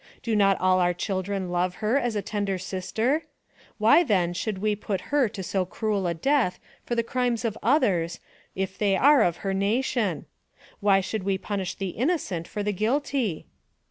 Do not all our children love her as a tender sister? Why, then, should we put her to so cruel a death for the crimes of others, if they are of her nation ? Why should we punish the innocent for the guilty?"